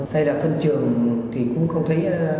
thay đặt phân trường thì cũng không thấy